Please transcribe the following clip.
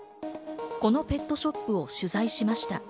このペットショップを取材しました。